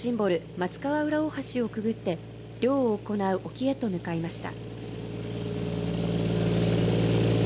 松川浦大橋をくぐって漁を行う沖へと向かいました。